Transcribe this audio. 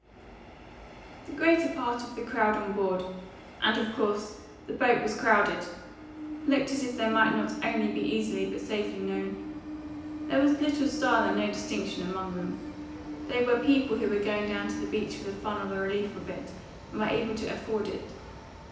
The greater part of the crowd on board and, of course, the boat was crowded looked as if they might not only be easily but safely known. There was little style and no distinction among them; they were people who were going down to the beach for the fun or the relief of it, and were able to afford it.